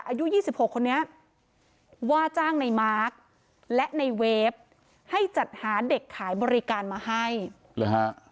อายุยี่สิบหกคนนี้ว่าจ้างในมาร์คและในเวฟให้จัดหาเด็กขายบริการมาให้